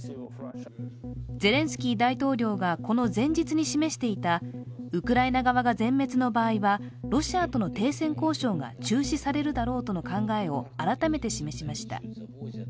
ゼレンスキー大統領がこの前日に示していたウクライナ側が全滅の場合はロシアとの停戦交渉が中止されるだろうとの考えを改めて示しました。